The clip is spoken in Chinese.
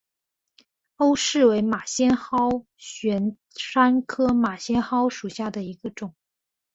欧氏马先蒿为玄参科马先蒿属下的一个种。